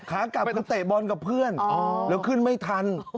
ขากลับก็เตะบอลกับเพื่อนแล้วขึ้นไม่ทัน